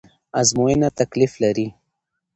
ازموينه تکليف لري